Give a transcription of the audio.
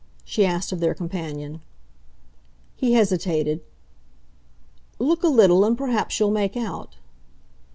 she asked of their companion. He hesitated. "Look a little, and perhaps you'll make out."